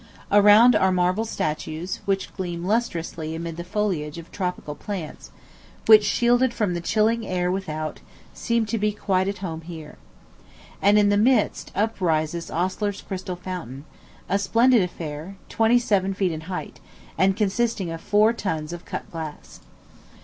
Around are marble statues, which gleam lustrously amid the foliage of tropical plants, which, shielded from the chilling air without, seem to be quite at home here. And in the midst up rises Osler's crystal fountain a splendid affair, twenty seven feet in height, and consisting of four tons of cut glass.